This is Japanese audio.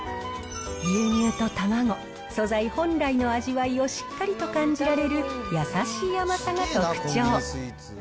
牛乳と卵、素材本来の味わいをしっかりと感じられる、優しい甘さが特徴。